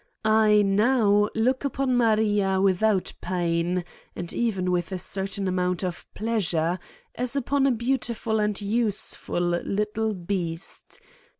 I now look upon Maria without pain and even with a certain amount of pleasure, as upon a beautiful and useful little beast